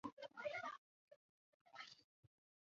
最后由标致车队夺得冠军。